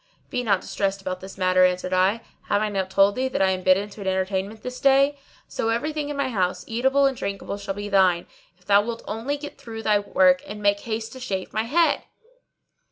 "Be not distressed about this matter," answered I; "have I not told thee that I am bidden to an entertainment this day? So every thing in my house, eatable and drinkable, shall be thine, if thou wilt only get through thy work and make haste to shave my head."